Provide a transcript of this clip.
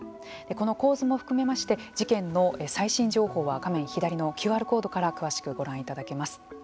この構図も含めまして事件の最新情報は画面左のＱＲコードから詳しくご覧いただけます。